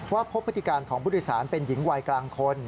พบพฤติการของผู้โดยสารเป็นหญิงวัยกลางคน